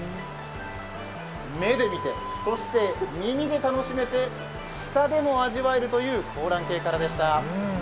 目で見て、そして耳で楽しめて、舌でも味わえるという香嵐渓からでした。